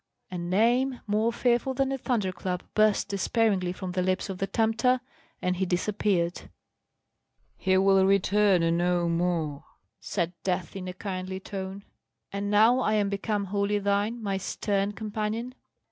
A name, more fearful than a thunderclap, burst despairingly from the lips of the Tempter, and he disappeared. "He will return no more," said Death, in a kindly tone. "And now I am become wholly thine, my stern companion?"